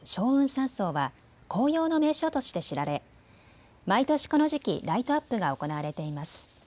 山荘は紅葉の名所として知られ毎年この時期、ライトアップが行われています。